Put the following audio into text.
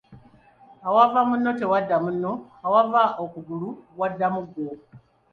Awava munno tewadda munno awava okugulu wadda muggo.